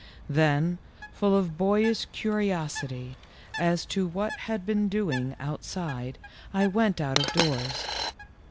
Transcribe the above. Then, full of boyish curiosity as to what had been doing outside, I went out of doors.